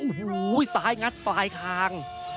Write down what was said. โอ้โหซ้ายงัดปลายคาง